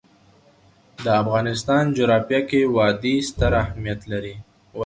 د افغانستان جغرافیه کې وادي ستر اهمیت لري.